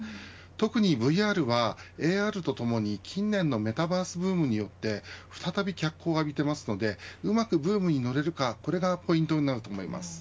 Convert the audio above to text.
特にＶＲはＡＲとともに近年のメタバースブームによって再び脚光を浴びていますのでうまくブームに乗れるかこれがポイントだと思います。